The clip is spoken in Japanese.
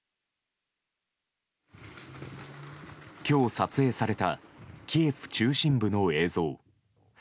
今日撮影されたキエフ中心部の映像。